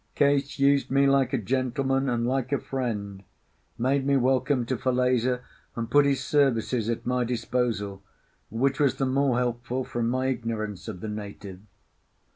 Case used me like a gentleman and like a friend, made me welcome to Falesá, and put his services at my disposal, which was the more helpful from my ignorance of the native.